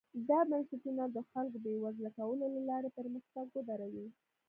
دا بنسټونه د خلکو بېوزله کولو له لارې پرمختګ ودروي.